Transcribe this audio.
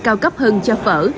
cao cấp hơn cho phở